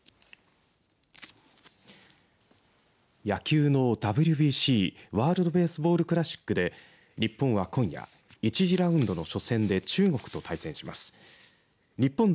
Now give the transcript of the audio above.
野球のＷＢＣワールド・ベースボール・クラシックで日本は今夜１次ラウンドの初戦で中国と対戦します。